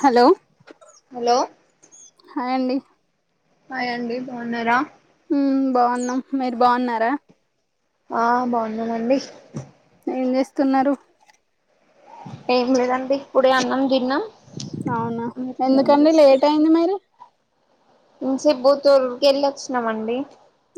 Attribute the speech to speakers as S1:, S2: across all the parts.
S1: Hello
S2: hello
S1: hi అండి
S2: hi అండి బాగున్నారా
S1: ఉమ్ బాగున్నాము మీరు బాగున్నారా
S2: ఆహ్ బాగున్నానండి
S1: ఏం చేస్తున్నారు
S2: ఏం లేదండి ఎప్పుడే అన్నం దిన్న
S1: అవునా ఎందుకండి లేట్ అయింది మరి
S2: ఇంసేపు బుతూరుకి వెళ్ళి వచ్చినమండి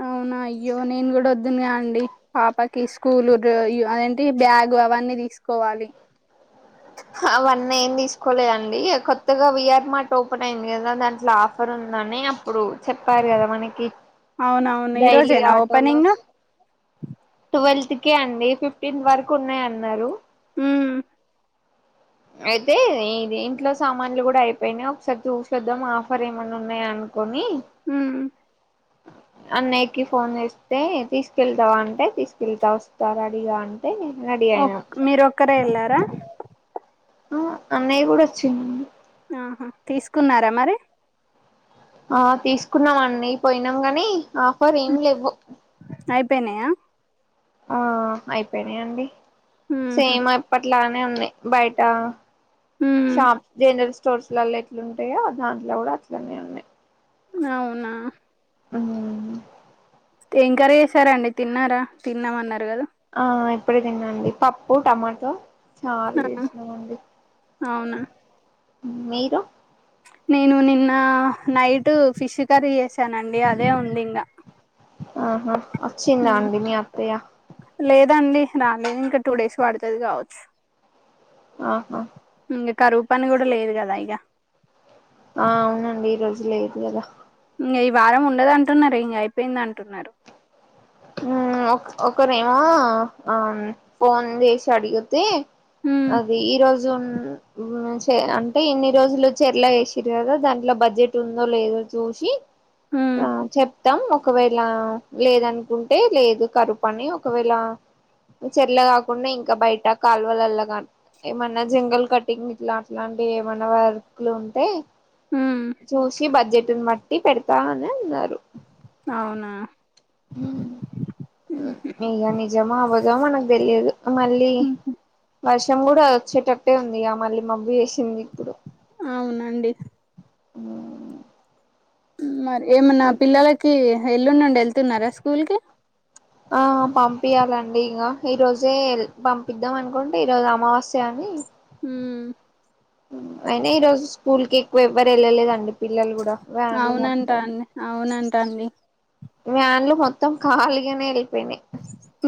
S1: ఆ అవునా అయ్యో నేను కూడా వద్దునుగా అండి పాపకి స్కూల్ అదేంటి బ్యాగు్ అవన్నీ తీసుకోవాలి
S2: అవన్నీ ఏం తీసుకోలేండి కొత్తగా విఆర్ మార్ట్ ఓపెన్ అయింది కదా దాంట్లో ఆఫర్ ఉంది అని ఇప్పుడు చెప్పారు కదా మనకి
S1: అవునవును ఈ
S2: డైలీ
S1: రోజేనా
S2: ఆటోలో
S1: ఓపెనింగ్
S2: ట్వెల్త్ కే అండి ఫిఫ్టీన్త్ వరకు ఉన్నాయ అన్నారు
S1: ఉమ్
S2: అయితే ఇంట్లో సామాన్లు కూడా అయిపోయినా ఒకసారి చూసొద్దాం ఆఫర్ ఏమన్నా ఉన్నాయా కోని
S1: ఉమ్
S2: అన్నయ్యకి ఫోన్ చేస్తే తీసుకెళ్తావా అంటే తీసుకెళ్తా వస్తారా అడిగా అంటే రెడీ
S1: ఓ
S2: అయినా
S1: మీరు ఒక్కరే వెళ్ళారా
S2: ఆ అన్నయ్య కూడా వచ్చిండు
S1: ఆహా తీసుకున్నారా మరి
S2: ఆహ్ తీసుకున్నాం అండి పోయినాం గాని ఆఫర్ ఏమి లేవు
S1: అయిపోయినాయా
S2: ఆహ్ అయిపోనాయి అండి
S1: మ్మ్హ,
S2: సేమ్ అప్పట్లా ఉంది బయట
S1: మ్మ్.
S2: షాపూ [unintelligible] స్టోర్స్లోలో ఎట్లు ఉంటాయో దాంట్లో కూడా అట్లనే ఉన్నాయి.
S1: అవునా
S2: ఉమ్
S1: ఏం కర్రీ చేసారాండి తిన్నారా తిన్నామన్నారు కదా.
S2: ఆహ్ ఇప్పుడె తిన్నాండి పప్పు టమాటో చారూ
S1: ఆ,
S2: చేసినామండి.
S1: అవునా
S2: మీరు
S1: నేను నిన్న నైట్ ఫిష్ కర్రీ చేసానండి అదే ఉంది ఇంకా
S2: ఆహా అచ్చింద అండి మీ అత్తయా
S1: అదండి రాలేదు ఇంకా టూ డేస్ పడుతది కావచ్చు.
S2: ఆహా
S1: ఇంక కరువు పని కూడా లేదు కదా ఇగా
S2: ఆ అవునండి ఈరోజు లేదు కదా
S1: ఇకా ఈ వారం ఉండదు అంటున్నారు ఇంక అయిపోయింది అంటున్నారు.
S2: ఒక ఒకరేమో ఆ ఫోన్ చేసి అడిగితే
S1: ఉమ్
S2: అది ఈరోజు జూన్ అంటే ఇన్ని రోజులు చెట్ల ఎలా వేసిరు కదా దాంట్లో బడ్జెట్ ఉందో లేదో చూసి
S1: ఉమ్
S2: ఆ చెప్తాం ఒకవేళ లేదను. అంటే లేదు కరుపని ఒకవేళ చెర్ల కాకుండా ఇంకా బయట కాలువలలా కా ఏమన్నా జంగల్ కటింగ్ ఇట్లా అట్లా ఇగ ఏమన్నా వర్క్ ఉంటే
S1: ఉమ్
S2: చూసి బడ్జెట్ని బట్టి పెడతా అని అన్నారు.
S1: అవునా
S2: ఉం ఇక నిజమా అబద్ధమో మనకు తెలియదు మళ్ళీ
S1: మ్హ్
S2: వర్షం కూడా వచ్చేటట్టే ఉంది మళ్ళీ మబ్బు చేసింది ఇప్పుడు
S1: అవునండి.
S2: ఉ
S1: మరి ఏమన్నా పిల్లలకి ఎల్లుండండి వెళ్తున్నారా స్కూల్ కి,
S2: ఆ పంపియాలండి ఇంక ఈరోజే పంపిద్దాం అనుకుంటే ఈరోజు అమావాస్య అని
S1: ఉం
S2: అయినా ఈ రోజు స్కూల్ కి ఎక్కువ ఎవ్వరు వెళ్ళలేదండి. పిల్లలు కూడా వ్యాన్లు మొత్తాం.
S1: అన్ని
S2: వ్యాన్లు మొత్తం కాలిగానే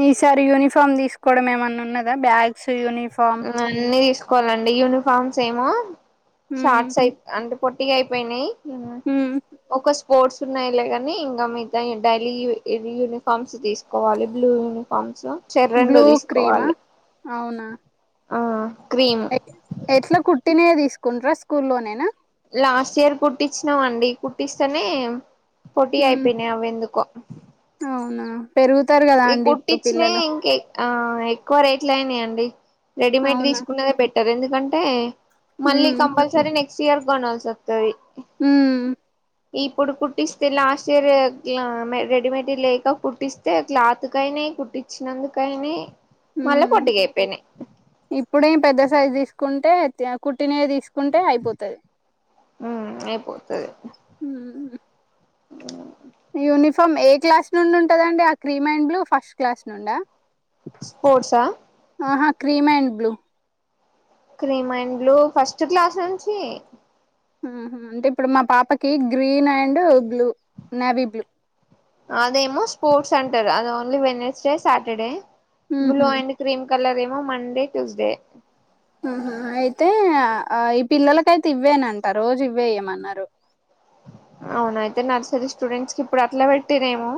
S1: ఈసారి యూనిఫామ్ తీసుకోవడం ఏమన్నా ఉన్నదా బ్యాగ్స్ యూనిఫార్మ్
S2: కోనలండి యూనిఫార్మ్స్ ఏమో
S1: ఉమ్
S2: షార్ట్స్ అయి అంటే పొట్టిగా అయిపోయినాయి.
S1: ఉమ్
S2: ఒక స్పోర్ట్స్ ఉన్నాయలే కానీ ఇంకా మిగతా డైలీ యూనిఫార్మ్స్ తీసుకోవాలి బ్లూ యూనిఫార్మ్స్ చెర్రీ రెండు
S1: బ్లూ క్రీమా
S2: తీసుకోవాలి.
S1: అవునా
S2: ఆ క్రీమ్
S1: ఎట్లా కుట్టినేయే తీసుకు కుండ్రా స్కూల్ లోనేనా
S2: లాస్ట్ ఇయర్ కుట్టించినామండి కుట్టిస్తేనే పొట్టిగా
S1: ఉమ్,
S2: అయిపోయినాయి అవి ఎందుకో
S1: అవునా పెరుగుతారు కదా అండి ఇప్పుడు
S2: కుట్టించిన
S1: పిల్లలు
S2: ఇంక ఆ ఎక్కువ రేట్లు అయినాయి అండి. రెడీమేడ్
S1: అవునా
S2: తీసుకున్నదే బెటర్. ఎందుకంటే మళ్ళీ
S1: ఉమ్,
S2: కంపల్సరీ నెక్స్ట్ ఇయర్ కొనల్సి వస్తది.
S1: ఉం
S2: ఇప్పుడు కుట్టిస్తే లాస్ట్ ఇయర్ రెడీమేడ్ లేక కుట్టిస్త అయితే క్లాత్ కైనా కుట్టించినందుకైనా మళ్ళ
S1: ఉమ్.
S2: పొటిగా అయిపోయిన
S1: సైజ్ తీసుకుంటే కుట్టినేది తీసుకుంటే అయిపోతుది
S2: ఉ ఏపోతుది
S1: ఉమ్.
S2: అ
S1: యూనిఫామ్ ఏ క్లాస్ నుండి ఉంటదండి ఆ cream and blue first class నుండా
S2: స్పోర్ట్సా
S1: cream and blue
S2: cream and blue first class నుంచి
S1: అంటే ఇప్పుడు మా పాపకి green and blue navy blue
S2: అదేమో స్పోర్ట్స్ అంటారు అది ఓన్లీ వెన్స్డే సాటర్డే
S1: ఉహు,
S2: బ్లూ అండ్ క్రీమ్ కలర్ ఏమో మండే ట్యూస్డే
S1: ఆహ అయితే ఆ ఈ పిల్లలకైతే ఇవ్వేనంట రోజు ఇవ్వేయమన్నారు ఆ
S2: అవున అయితే నర్సరీ స్టూడెంట్స్ కి ఇప్పుడు అట్లా పెట్టటినేమో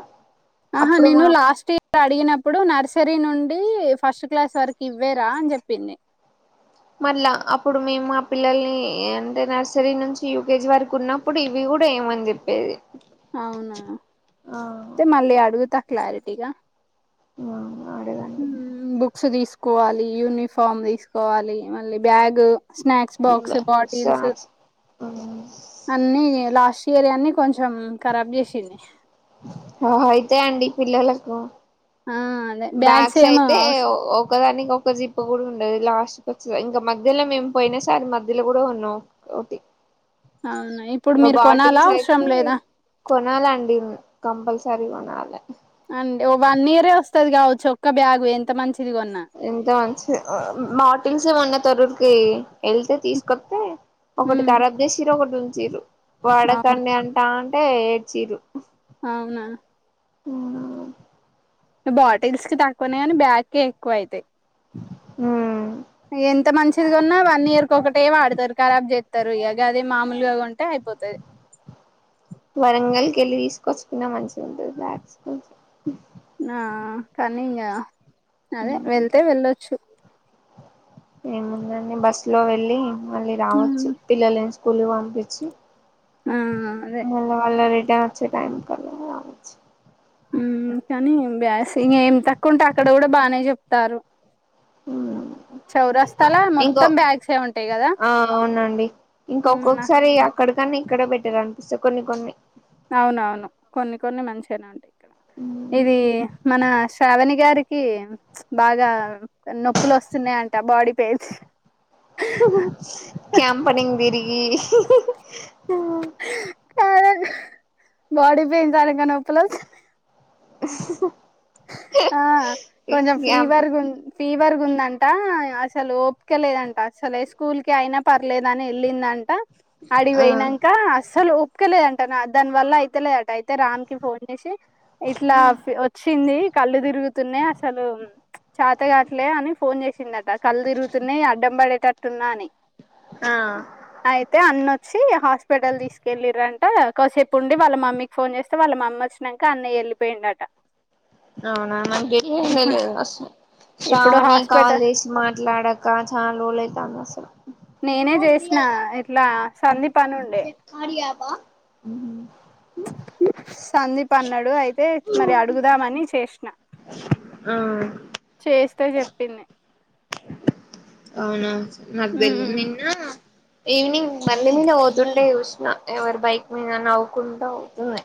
S1: ఆహా నేను లాస్ట్ ఇయర్ అడిగినప్పుడు నర్సే నుండి ఫస్ట్ క్లాస్ వరకు ఇవ్వేరా అని చెప్పింది
S2: మళ్ళ అప్పుడు మేము మా పిల్లల్ని అంటే నర్సరీ నుంచి యూకేజీ వరకు ఉన్నప్పుడు ఇవి కూడా ఏమంది చెప్పేది
S1: అవునా
S2: ఆ
S1: అయితే మళ్ళీ అడుగుతా క్లారిటీగా
S2: ఆ ఆడేదండి
S1: బుక్స్ తీసుకోవాలి యూనిఫార్మ్ తీసుకోవాలి మళ్ళీ bag snacks box bottles
S2: snacks
S1: అన్ని లాస్ట్ ఇయర్ అన్ని కొంచెం కరాబ్ చేసింది
S2: ఓ
S1: ఆ అదే
S2: బ్యాగ్స్
S1: ఏమో
S2: అయితే ఒకదానికి ఒక జి ప్ కూడా ఉండది లాస్ట్కి వచ్చా ఇంకా మధ్యలో మేము పోయిన సారి మధ్యలో కూడా ఉన్నాం ఒకటి
S1: అవును ఇప్పుడు
S2: ఇంకా
S1: మీరు కొనాలా
S2: బాటిల్స్
S1: అవసరం
S2: అయితే
S1: లేదా
S2: కొనాలండి కంపల్సరీ కొనాలి
S1: అండి ఓ వన్ ఇయరే వస్తుది కావచ్చు ఒక్క బ్యాగు్ ఎంత మంచి
S2: ఎంత మంచి మాటిల్స్ ఏమన్నా తరూరికి వెళ్తే తీసుకొస్తతే ఒకటి
S1: ఉమ్,
S2: ఖరాబ్ చేసిర్రు ఒకటి ఉ చీరు
S1: అవును
S2: వాడకండి అంటా అంటే ఏడ్చిరు
S1: అవునా
S2: ఏం కావాలి
S1: బాటిల్స్ కి తక్కువన్నా కానీ బ్యాగ కే ఎక్కువ అవుతాయి ఎంత మంచి చిదిగన్న వన్ ఇయర్ కి ఒకటే వాడతారు కరాబ్ చేస్తారు ఇగ అదే మామూలుగా ట్ట అయిపోతది
S2: కే వెళ్ళి తీసుకొచ్చుకున్నా మంచిగా ఉంటుంది బ్యాగ్స్ కొంచెం
S1: నా కానీ ఇంకా అదే వెళ్తే వెళ్ళొచ్చు
S2: ఏముందండి బస్సు లో వెళ్ళలి మళ్ళీ రావచ్చు పిల్లలను కులు పపించి
S1: ఉ అదే
S2: చా టైం కాలచ్చ
S1: ఉమ్ కానీ బ్యాస్ ఇ ఏం తక్కువ ఉంటే అక్కడ కూడా బానే చెప్తారు ఆ
S2: ఇంకో
S1: ఉంటాయి కదా
S2: అవునండి ఇంక ఒక్కొక్కసారి అక్కడకి కానీ ఇక్కడ బెటర్ అనిపిస్తంది కొన్ని కొన్ని
S1: అవునవును కొన్ని కొన్ని మంచినా ఉంటేయి ఇక్కడ ఇది మన శ్రావణి గారికి బాగా నొప్పులు వస్తున్నాయంట బాడీ పెయిన్స్
S2: క్యాంపెనింగ్ తిరిగి
S1: కార బడి పైన్ నొప్పులు అచ్ ఆ కొంచం
S2: క్యాంప్
S1: ఫీవర్గు ఫీవర్ ఉందంట అసలు ఒప్పుకోలేదంట అసలే స్కూల్ కి అయినా పర్లేద అని వెళ్ళిందంట
S2: ఆ
S1: అడివియినాక అసలు ఒప్పుకలేదంటను దాని వల్ల అయితేలే అంట అయితే రామ్ కి ఫోన్ చేసి ఇట్లా ఓ కళ్ళు తిరుగుతున్నా అసతలే అని ఫోన్ చే దట కళ్ళు తిరుగుతున్నా అడ్డం పడేటట్టున్నా అని
S2: ఆ
S1: అయితే అన్న వచ్చి హాస్పిటల్ తీసుకెళ్ళలి్రంట కాసేపు ఉండి వాళ్ళ మమ్మీకి ఫోన్ చేస్తే వాళ్ళ మమ్మీ వచ్చినాక అన్నయ వెళ్ళిపోయిండ ఉందట
S2: అవునా నలిశం
S1: ఇప్పుడు
S2: శ్రావణి కాల్
S1: హాస్పిటల్
S2: చేసి మాట్లాడాక చాలా ఓలైతాంది అసలు
S1: నేనే చేసిన ఇట్లా సందీప్ అని ఉండే సందీప్ అన్నాడు అయితే మరి అడుగుదామని చేసినా
S2: ఆ
S1: చేస్తే చెప్పింది
S2: అవునా నాకు తెలీదు
S1: ఉమ్
S2: నిన్న ఈవినింగ్ బండి మీద పోవుతుంటే చూసిన ఎవరి బైక్ మీద అని నవ్వుకుంటూ పోతుంది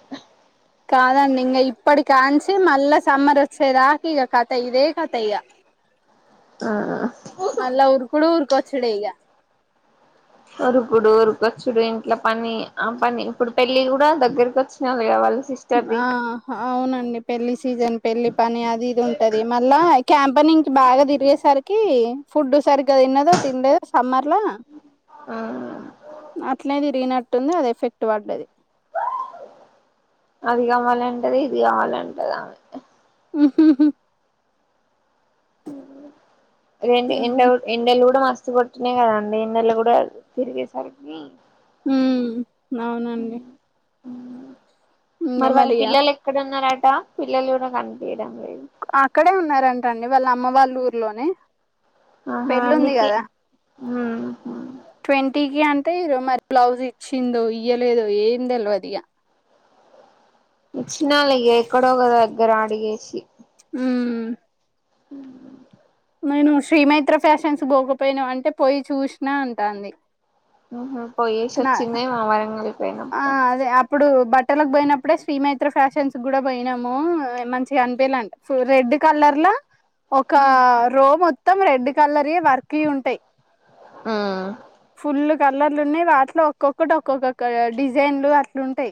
S1: కాదండి ఇంకా ఇప్పటి కాంచి మళ్ళా సమ్మర్ వచ్చేదాక ఇక కథ ఇదే కథ ఇక
S2: ఆ
S1: మళ్లీ ఉరుకుడు ఉరుకొచ్చుడే ఈగ
S2: ఉరుకుడు ఉరుకొచ్చుడు ఇంట్లో పని ఆ పని ఇప్పుడు పెళ్ళి కూడా దగ్గరకి వచ్చిన వాళ్ళ కా వాళ్ళు
S1: ఆ అవునండి పెళ్లి సీజన్ పెళ్లి పని అది ఇది ఉంటది మళ్ళా క్యాంపనింగ్ బాగా తిరిగేసరికి ఫుడ్ సరిగ్గా తన్నదో తిండేద సమ్మర్ ల
S2: ఆ
S1: అట్లనే తిరిగినట్టు ఉంది అదే ఎఫెక్ట్ పడ్డది
S2: అది కావాలంటది ఇది కావాలంటది ఆమె
S1: ఉ
S2: ఎండలు ఎండలు కూడా మస్తు మస్త్ కొట్టినాయి కదండి ఎండలో కూడా తిరిగేసరికి
S1: ఉ అవునండి ఇంగ
S2: మరి వాళ్ళ
S1: అక్
S2: పిల్లలు ఎక్కడ ఉన్నారట పిల్లలు కూడా కనిపించదు
S1: అక్కడే ఉన్నారంటండి వాళ్ళ అమ్మ వాళ్ళ ఊర్లోనే
S2: ఆహా
S1: పెళ్ళి ఉంది
S2: అందుకే
S1: కదా
S2: హ
S1: ట్వంటీకిి అంటే ఇరో మరి బ్లౌజ్ ఇచ్చిందో ఇయలేదో ఏమి తెల్వదిగా
S2: ఇచ్చినాల ఎక్కడో ఒక దగ్గర అడిగేసి
S1: ఉ
S2: హ
S1: నేను శ్రీమైత్ర ఫ్యాషన్స్ పోకపోయినా అంటే పోయి చూసినా అంటాంది
S2: ఆహా
S1: నా
S2: పోయేసొచ్చిందేమో మరి మల్ల
S1: ఆ అదే అప్ ఇప్పుడు బట్టలకు పోయినప్పుడే శ్రీ మైత్ర ఫ్యాషన్స్ కూడా పోయినాము మంచిగా అనిపించలాండి రెడ్ రెడ్ కలర్ల ఒక రో మొత్తం రెడ్ కలర్ వర్క్ ఉంటాయి
S2: ఆ
S1: ఫుల్ కలర్లు ఉన్నాయి వాటిలో ఒక్కొక్కటి ఒక్కొక్కొక్క డిజైన్లు అట్లుంటాయి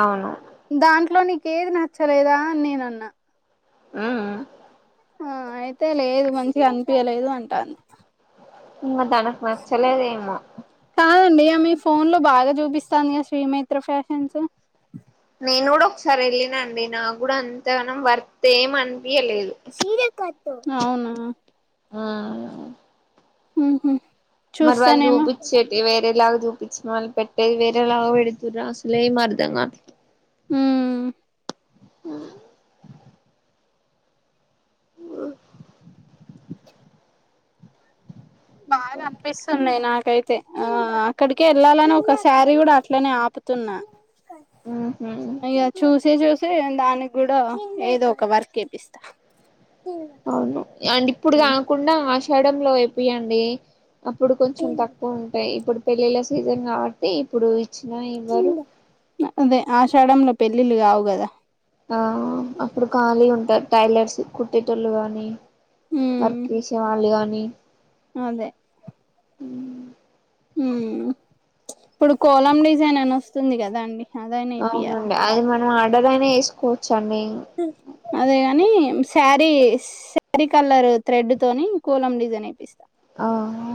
S2: అవును
S1: దాంట్లో నీకేది నచ్చలేదా అని నేన అన్నా
S2: ఆ
S1: ఆ అయితే లేదు మంచిగా అనిపియ్యలేదు అంటది
S2: ఉ తనకు నచ్చలేదు ఏమో
S1: కాదండి మీ ఫోన్ లో బాగా చూపిస్తందిగా శ్రీ మిత్ర ఫ్యాషన్స్
S2: నేను కూడా ఒకసారి వెళ్ళిన అండి నా కూడా అంతగానం వర్త ఏం అనిపియలేదు
S1: అవునా
S2: ఆ
S1: ఉహు
S2: మరి వాళ్ళు చూపించేటి వే ఎలా చూపించిన పెట్టేది వేరేలా పెడుతుర్రు అసలేం అర్థం కా
S1: ఉమ్
S2: ఆ
S1: బాగా అనిపిస్తున్నాయి నాకు అయితే ఆ అక్కడికే వెళ్ళాలని ఒక సారీ కూడా అట్లనే ఆపుతున్నా
S2: ఉహు
S1: ఇక చూసి చూసి దానికి కూడా ఏదో ఒక వర్క్ ఎపిస్తా
S2: అవును యండి ఇప్పుడు కాకుండా ఆషాడంలో ఏపియండి అప్పుడు కొంచెం తక్కువ ఉంటాయి ఇప్పుడు పెళ్ళిళ్ళ సీజన్ కాబట్టి ఇప్పుడు ఇచ్చిన ఇవ్వరు
S1: ఆషడంలో పెళ్ళిళ్ళ కావు కదా
S2: ఆ అప్పుడు ఖాళీ ఉంటారు టైలర్స్ కొట్టేటోళ్లు గాని వర్క్ వేసే వాళ్లు గాని
S1: అదే ఉ ఇప్పుడు కోలం డిజైన్ అని వస్తుంది కదా అండి అదైనా ఏపియాలి
S2: అవునండి అది మనం ఆర్డర్ అయినా చేసుకోవచ్చు
S1: అదేగాని సారీ సారీ కలర్ థ్రెడ్ తోనే కోలం డిజన్ వేపిస్తా
S2: ఆహ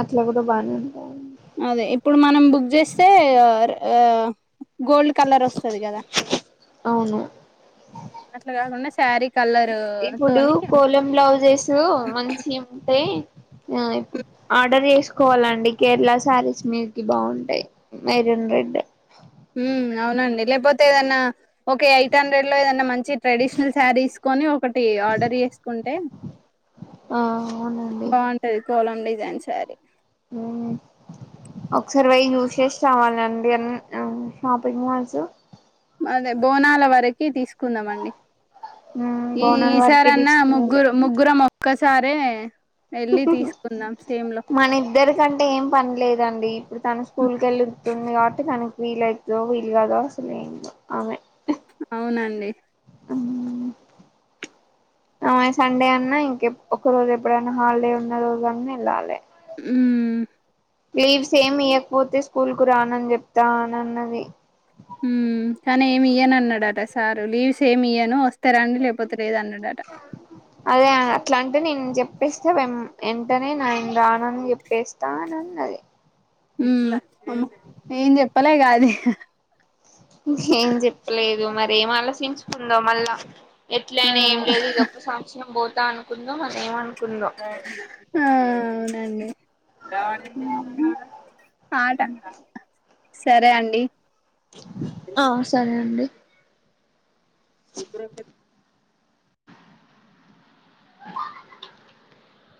S2: అట్లా కూడా బానే ఉ
S1: అదే ఇప్పుడు మనం బుక్ చేస్తే ఆ ఆ గోల్డ్ కలర్ వస్తది కదా
S2: అవును
S1: అట్లా కాకుండా శారీ కలర్
S2: ఇప్పుడు
S1: తోని
S2: కోలం బ్లౌజెస్ మంచిగా ఉంటాయి ఆ ఇప్పు ఆర్డర్ చేసుకోవాలండి కేరళ సారీస్ మీదికి బాగుంటాయి మెరున్ రెడ్
S1: ఉ అవునండి లేకపోతే ఏదన్నా ఒకే ఎయిట్ హండ్రెడ్ లో ఏదన్నా మంచి ఛీ ట్రెడిషనల్ సారీస్ కొని ఒకటి ఆర్డర్ చేసుకుంటే
S2: ఆ అవునండి
S1: బాగుంటది కోలం డిజైన్ సారీ
S2: ఉహు ఒకసారి పోయి చూసేసి రావాలండి ఆ షాపింగ్ మాల్స్
S1: అదే బోనాల వరకి తీసుకుందాం అండి ఈ
S2: బోనాల వరకే
S1: ఈసారన్న
S2: తీసుకోవాలి
S1: ముగ్గురు ముగ్గురం మొక్కసారే ఎళ్ళి తీసుకుందాం
S2: మన ఇద్దరి కంటే ఏం పని లేదండి ఇప్పుడు తన స్కూల్ కి వెళ్ళతుంది కాబట్టి తన వీళ్ళ అయితదో వీల్ కాదో అసలు ఏందో ‌ఆమె
S1: అవునండి
S2: అ సండే అన్నా ఇంక ఒక రోజు ఎప్పుడైనా హాలిడే ఉన్న రోజు అన్నా వెళ్ళాలి
S1: ఉమ్
S2: లీవ్స్ ఏమి ఇయ్వకపోతే స్కూల్ కు రానని చెప్తానన్నది
S1: ఉ కానీ ఏమి ఈయను అన్నాడాట సారు లీవ్స్ ఏమి ఈయను వస్త
S2: అదే అట్లాంటే నేను చెప్ చెప్పేస్తే వెంటనే నేను రాను చెప్పేస్తానన్నది
S1: మ్మ్ ఏం చెప్పాలేగా అది
S2: ఏం చెప్పలేదు మరి ఏం ఆలోచించుకుందో మళ్ళా
S1: ఆ
S2: ఎట్లయినా ఏం లేదు ఇదొక్క సంవత్సరం పోతా అనుకుందో మళ్ళా
S1: ఆ అవునండి ఆట సరే అండి
S2: ఆ సరే అండి
S1: ఇప్పురక